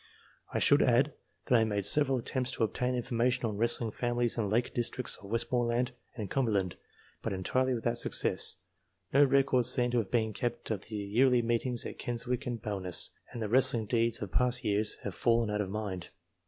I should add, that I made several attempts to obtain information on wrestling families in the Lake districts of Westmoreland and Cumberland, but entirely without success ; no records seem to have been kept of the yearly meetings at Keswick and Bowness, and the wrestling deeds of past years have fallen out of mind.